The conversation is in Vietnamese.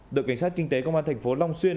đội cảnh sát kinh tế công an tp long xuyên